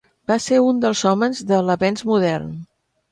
Va ser un dels homes de "l'Avenç Modern".